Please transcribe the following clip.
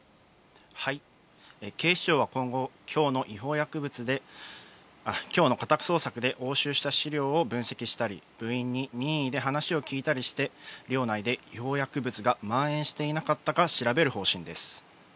警視庁は今後、きょうの家宅捜索で押収した資料を分析したり、部員に任意で話を聴いたりして、寮内で違法薬物がまん延していなかったか調べる方針です。